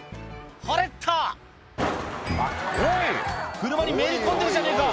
車にめり込んでるじゃねえか！